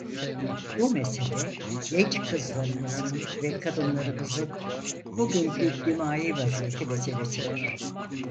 Bu mesele, genç kızlarımızın ve kadınlarımızın bugünkü dimağî vaziyeti meselesidir.